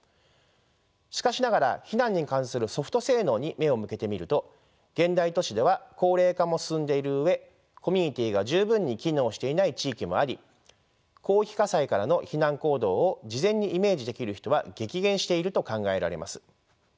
しかしながら避難に関するソフト性能に目を向けてみると現代都市では高齢化も進んでいる上コミュニティーが十分に機能していない地域もあり広域火災からの避難行動を事前にイメージできる人は激減していると考えられます。